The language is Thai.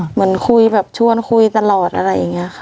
เหมือนคุยแบบชวนคุยตลอดอะไรอย่างนี้ค่ะ